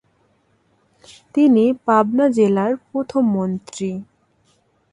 তিনি পাবনা জেলার প্রথম মন্ত্রী।